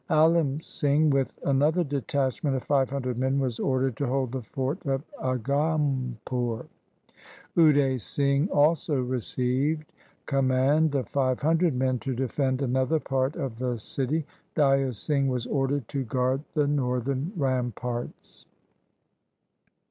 Alim Singh with another detachment of five hundred men was ordered to hold the fort of Agampur Ude Singh also received command of five hundred men to defend another part of the city. Daya Singh was ordered to guard the northern ramparts.